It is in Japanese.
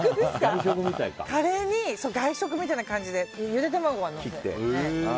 カレーに、外食みたいな感じでゆで卵をのせます。